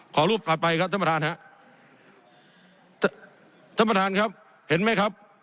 ขอรูปถัดไปครับท่านประธานฮะท่านประธานครับเห็นไหมครับ